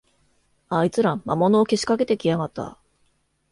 あいつら、魔物をけしかけてきやがった